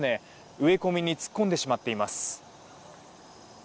植え込みに突っ込んでしまっています。